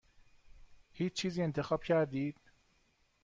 هیچ چیزی انتخاب کردید؟